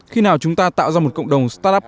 khi nào chúng ta tạo ra một cộng đồng startup